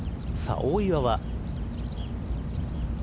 大岩は。